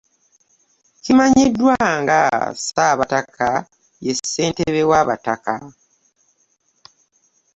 Kimanyiddwa nga ssabataka ye ssentebe wa bataka.